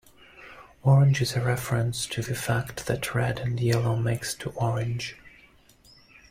Orange is a reference to the fact that red and yellow mix to orange.